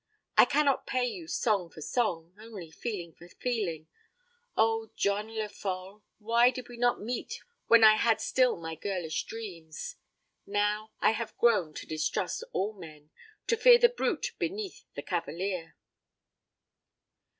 I cannot pay you song for song, only feeling for feeling. Oh, John Lefolle, why did we not meet when I had still my girlish dreams? Now, I have grown to distrust all men to fear the brute beneath the cavalier....'